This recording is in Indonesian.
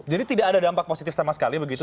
jadi tidak ada dampak positif sama sekali begitu